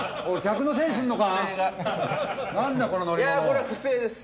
これ不正です。